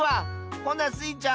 ほなスイちゃん